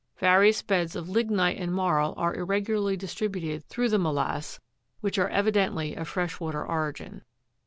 Various beds of lignite and marl are irregularly distributed through the molasse, which are evidently of fresh water origin.